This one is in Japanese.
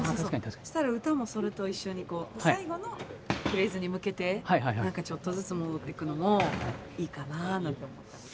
そしたら歌もそれと一緒に最後のフレーズに向けてちょっとずつ戻ってくのもいいかななんて思ってます。